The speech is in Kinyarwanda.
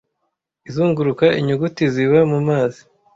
izunguruka inyuguti ziba mumazi